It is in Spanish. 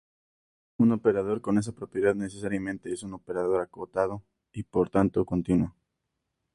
Un operador con esa propiedad necesariamente es un operador acotado y por tanto continuo.